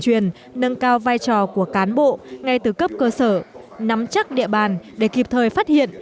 truyền nâng cao vai trò của cán bộ ngay từ cấp cơ sở nắm chắc địa bàn để kịp thời phát hiện